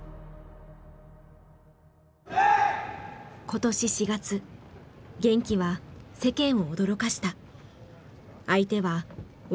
今年４月玄暉は世間を驚かした。